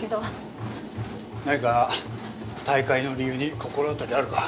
何か退会の理由に心当たりあるか？